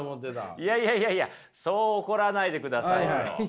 いやいやいやいやそう怒らないでくださいよ。